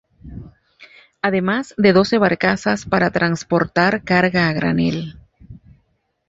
Además de doce barcazas para transportar carga a granel.